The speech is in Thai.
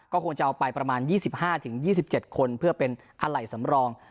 ก็คงจะเอาไปประมาณยี่สิบห้าถึงยี่สิบเจ็ดคนเพื่อเป็นอลัยสำรอง